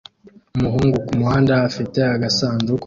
Umuhungu kumuhanda afite agasanduku